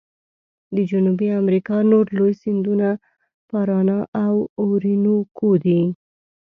د جنوبي امریکا نور لوی سیندونه پارانا او اورینوکو دي.